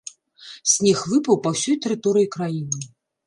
Снег выпаў па ўсёй тэрыторыі краіны.